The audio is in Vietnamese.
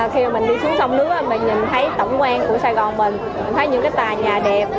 khi mà mình đi xuống sông nước mình nhìn thấy tổng quan của sài gòn mình thấy những cái tòa nhà đẹp